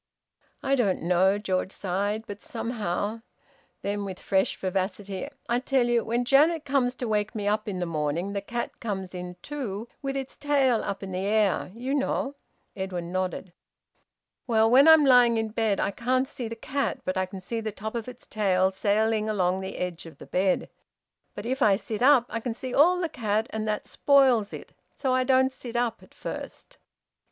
"I don't know!" George sighed. "But somehow " Then, with fresh vivacity: "I tell you when Auntie Janet comes to wake me up in the morning the cat comes in too, with its tail up in the air you know!" Edwin nodded. "Well, when I'm lying in bed I can't see the cat, but I can see the top of its tail sailing along the edge of the bed. But if I sit up I can see all the cat, and that spoils it, so I don't sit up at first."